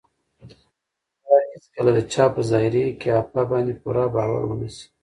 باید هېڅکله د چا په ظاهري قیافه باندې پوره باور ونه شي.